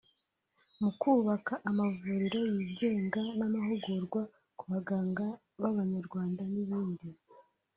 mu kubaka amavuriro yigenga n’amahugurwa ku baganga b’Abanyarwanda n’ibindi